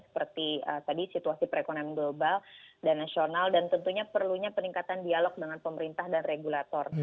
seperti tadi situasi perekonomian global dan nasional dan tentunya perlunya peningkatan dialog dengan pemerintah dan regulator